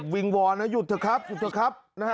ประเภทประเภทประเภท